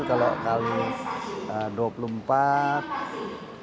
kalau dua puluh empat ya kira kira enam ratus sampai